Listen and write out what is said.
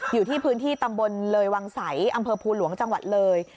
อยู่ที่พื้นที่ตำบลเลยวังใสอำเภอภูหลวงจังหวัดเลย